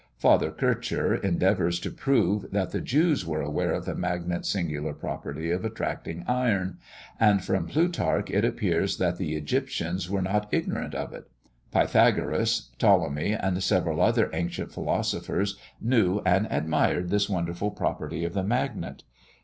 Father Kircher endeavours to prove that the Jews were aware of the magnet's singular property of attracting iron; and from Plutarch, it appears that the Egyptians were not ignorant of it. Pythagoras, Ptolemy, and several other ancient philosophers, knew and admired this wonderful property of the magnet.